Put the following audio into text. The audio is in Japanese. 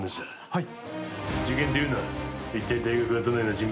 はい。